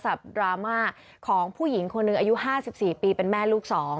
ดราม่าของผู้หญิงคนหนึ่งอายุ๕๔ปีเป็นแม่ลูก๒